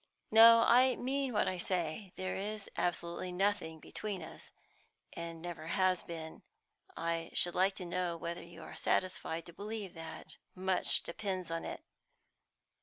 No, I mean what I say; there is absolutely nothing else between us, and never has been. I should like to know whether you are satisfied to believe that; much depends on it."